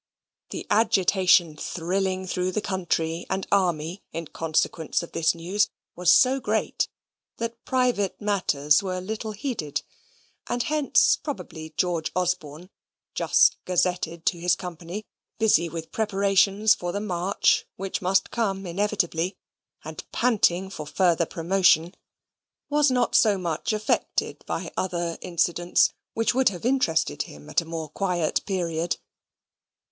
The agitation thrilling through the country and army in consequence of this news was so great, that private matters were little heeded: and hence probably George Osborne, just gazetted to his company, busy with preparations for the march, which must come inevitably, and panting for further promotion was not so much affected by other incidents which would have interested him at a more quiet period.